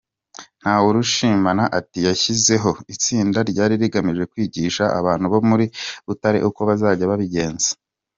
Ntawurushimana ati “Yashyizeho itsinda ryari rigamije kwigisha abantu bo muri Butare uko bazajya babigenza.